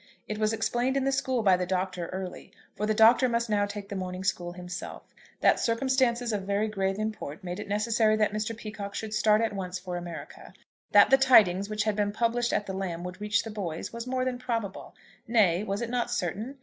It was explained in the school by the Doctor early, for the Doctor must now take the morning school himself, that circumstances of very grave import made it necessary that Mr. Peacocke should start at once for America. That the tidings which had been published at the Lamb would reach the boys, was more than probable. Nay; was it not certain?